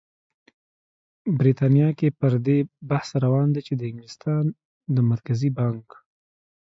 بریتانیا کې پر دې بحث روان دی چې د انګلستان د مرکزي بانک